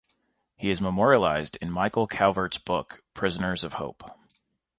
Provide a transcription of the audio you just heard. He is memorialized in Michael Calvert's book Prisoners of Hope.